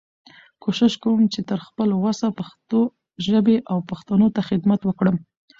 کوشش کوم چې تر خپل وسه پښتو ژبې او پښتنو ته خدمت وکړم.